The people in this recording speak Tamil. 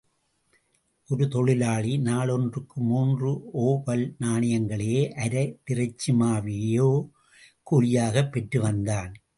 ஒரு தொழிலாளி நாள் ஒன்றுக்கு மூன்று ஒபல் நாணயங்களையோ அரை டிரச்சிமாவையோ கூலியாகப் பெற்று வந்தான்.